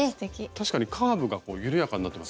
確かにカーブが緩やかになってますね。